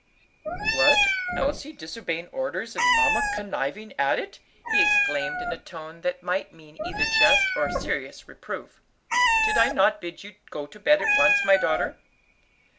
"What, Elsie disobeying orders, and mamma conniving at it!" he exclaimed in a tone that might mean either jest or serious reproof. "Did I not bid you go to bed at once, my daughter?"